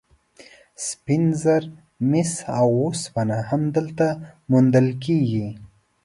سپین زر، مس او اوسپنه هم دلته موندل کیږي.